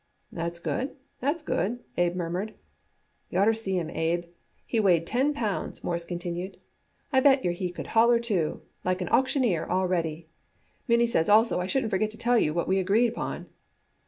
"That's good. That's good," Abe murmured. "Y'oughter seen him, Abe. He weighed ten pounds," Morris continued. "I bet yer he could holler, too, like an auctioneer already. Minnie says also I shouldn't forget to tell you what we agreed upon."